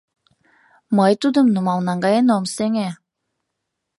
Мый тудым нумал наҥгаен ом сеҥе.